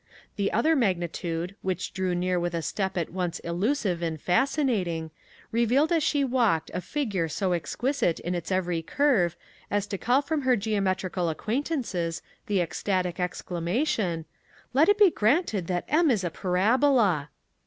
The other magnitude, which drew near with a step at once elusive and fascinating, revealed as she walked a figure so exquisite in its every curve as to call from her geometrical acquaintances the ecstatic exclamation, "Let it be granted that M is a parabola."